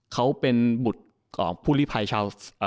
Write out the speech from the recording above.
เขาเป็นบุตรของผู้ลิภัยชาว